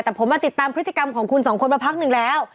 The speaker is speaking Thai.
แต่ผมมาติดตามพฤติกรรมของคุณสองคนมาพักหนึ่งแล้ว